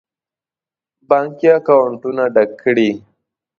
بانکي اکاونټونه ډک کړي.